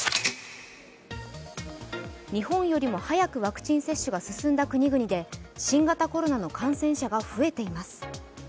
日本よりも早くワクチン接種が進んだ国々で新型コロナの感染者が増えています。